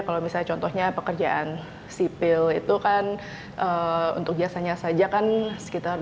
kalau misalnya contohnya pekerjaan sipil itu kan untuk jasanya saja kan sekitar dua ratus lima puluh ya